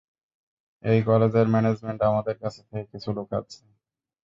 এই কলেজের ম্যানেজমেন্ট আমাদের কাছে থেকে কিছু লুকাচ্ছে।